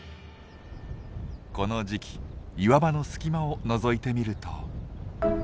この時期岩場の隙間をのぞいてみると。